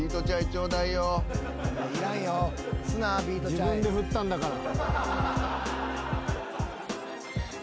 自分で振ったんだから。